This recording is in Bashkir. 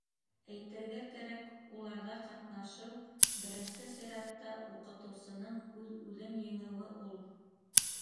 Әйтергә кәрәк, уларҙа ҡатнашыу, беренсе сиратта, уҡытыусының үҙ-үҙен еңеүе ул.